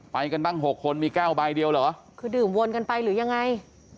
ไปกันบ้างหกคนมีแก้วใบเดียวเหรอคือดื่มวนกันไปหรือยังไง